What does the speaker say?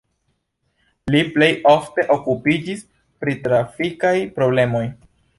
Li plej ofte okupiĝis pri trafikaj problemoj.